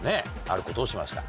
あることをしました